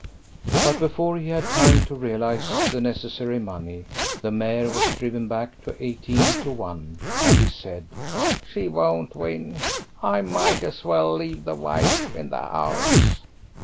But before he had time to realise the necessary money the mare was driven back to eighteen to one, and he said "She won't win. I might as well leave the wife in the 'ouse.